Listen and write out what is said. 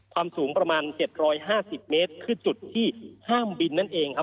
สูงประมาณ๗๕๐เมตรคือจุดที่ห้ามบินนั่นเองครับ